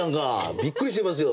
びっくりしてますよ。